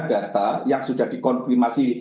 data yang sudah dikonfirmasi